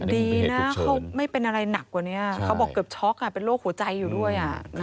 ดีนะเขาไม่เป็นอะไรหนักกว่านี้เขาบอกเกือบช็อกเป็นโรคหัวใจอยู่ด้วย